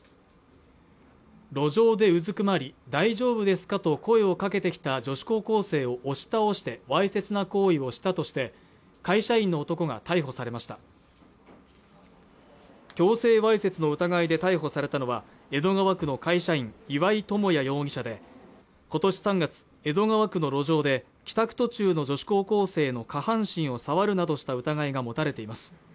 路上でうずくまり大丈夫ですかと声をかけてきた女子高校生を押し倒してわいせつな行為をしたとして会社員の男が逮捕されました強制わいせつの疑いで逮捕されたのは江戸川区の会社員岩井友哉容疑者で今年３月江戸川区の路上で帰宅途中の女子高校生の下半身を触るなどした疑いが持たれています